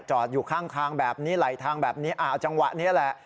จอดอยู่ข้างแบบนี้ไหลทางแบบนี้จังหวะนี้แหละ